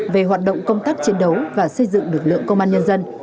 về hoạt động công tác chiến đấu và xây dựng lực lượng công an nhân dân